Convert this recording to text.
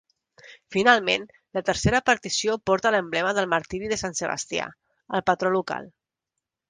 Finalment, la tercera partició porta l'emblema del martiri de sant Sebastià, el patró local.